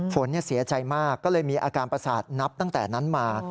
ฝนเสียใจมากก็เลยมีอาการประสาทนับตั้งแต่นั้นมา